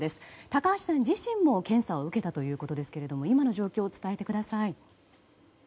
高橋さん自身も検査を受けたということですけど今の状況、伝えてください。